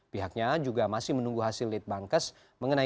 pihaknya juga masih menunggu hasilnya